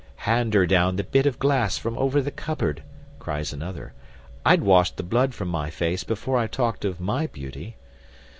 "Hand her down the bit of glass from over the cupboard," cries another; "I'd wash the blood from my face before I talked of my beauty."